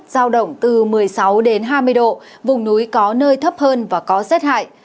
giao động từ một mươi sáu đến hai mươi độ vùng núi có nơi thấp hơn và có rét hại